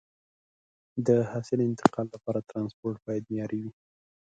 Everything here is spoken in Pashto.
د حاصل انتقال لپاره ترانسپورت باید معیاري وي.